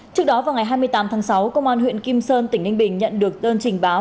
trước đó vào ngày hai mươi tám tháng sáu công an huyện kim sơn tỉnh ninh bình nhận được đơn trình báo